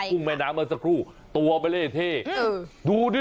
กุ้งแม่น้ำมาสักครู่ตัวไปเลยเท่ดูดิ